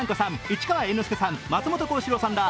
市川猿之助さん、松本幸四郎さんら